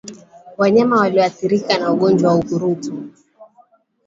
Wanyama walioathirika na ugonjwa wa ukurutu